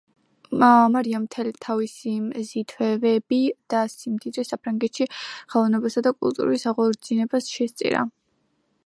მარიამ მთელი თავისი მზითვები და სიმდიდრე საფრანგეთში ხელოვნებისა და კულტურის აღორძინებას შესწირა.